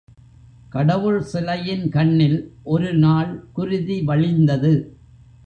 கடவுள் சிலையின் கண்ணில் ஒரு நாள் குருதி வழிந்தது.